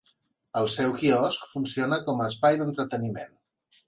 El seu quiosc funciona com a espai d'entreteniment.